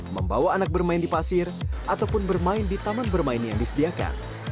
membawa anak bermain di pasir ataupun bermain di taman bermain yang disediakan